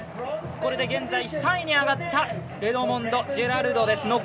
これで現在３位に上がったレドモンド・ジェラルドです。